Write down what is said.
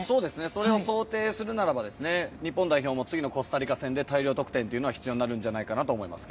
それを想定するなら日本代表も次のコスタリカ戦で大量得点というのは必要になると思います。